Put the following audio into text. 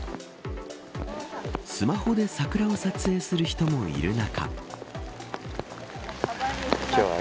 スマホで桜を撮影する人もいる中。